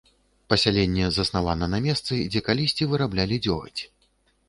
Пасяленне заснавана на месцы, дзе калісьці выраблялі дзёгаць.